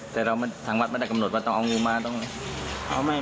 แต่ทางวัดไม่ได้กำจนจัดว่าเอางูมาเลย